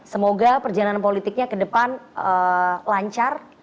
semoga perjalanan politiknya kedepan lancar